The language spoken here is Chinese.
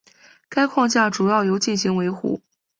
该框架主要由进行维护。